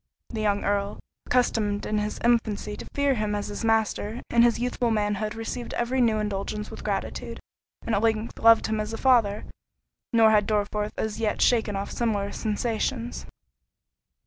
The young Earl, accustomed in his infancy to fear him as his master, in his youthful manhood received every new indulgence with gratitude, and at length loved him as a father—nor had Dorriforth as yet shaken off similar sensations.